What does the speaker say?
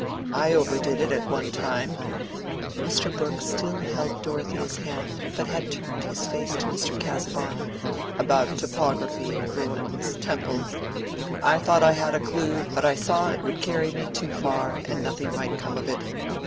I overdid it at one time"—Mr. Brooke still held Dorothea's hand, but had turned his face to Mr. Casaubon—"about topography, ruins, temples—I thought I had a clew, but I saw it would carry me too far, and nothing might come of it.